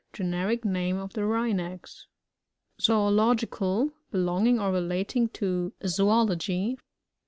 Generic name of the Wrynecks. Zoological. — Belonging or relating to Zoology.